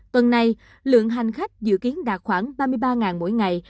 tuần này lượng hành khách dự kiến đạt khoảng ba mươi ba mỗi ngày